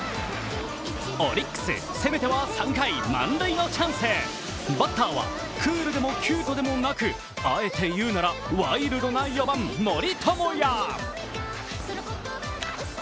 オリックス、攻めては３回、満塁のチャンス、バッターはクールでもキュートでもなくあえて言うならワイルドな４番・森友哉。